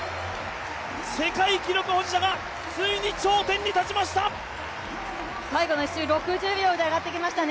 世界記録保持者がついに頂点に立ちました。